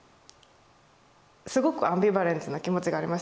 すごくアンビバレンスな気持ちがありました。